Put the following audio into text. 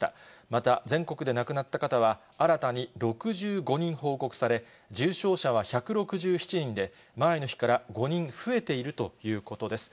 また全国で亡くなった方は、新たに６５人報告され、重症者は１６７人で、前の日から５人増えているということです。